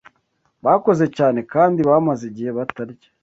bakoze cyane kandi bamaze igihe batarya